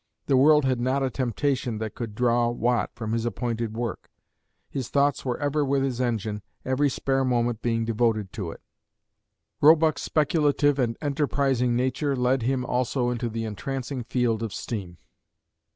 The world had not a temptation that could draw Watt from his appointed work. His thoughts were ever with his engine, every spare moment being devoted to it. Roebuck's speculative and enterprising nature led him also into the entrancing field of steam.